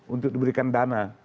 untuk diberikan dana